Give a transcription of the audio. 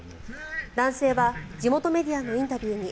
男性は地元メディアのインタビューに